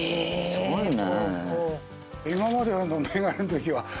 すごいね！